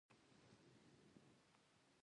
يولسمه برخه